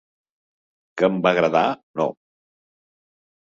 Que em va agradar, no.